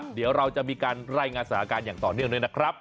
เดี๋ยวเราจะมีการไล่งานสนาดารย์การอย่างต่อเนื่องหน่อยนะครับ